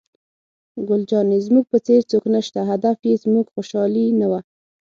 ګل جانې: زموږ په څېر څوک نشته، هدف یې زموږ خوشحالي نه وه.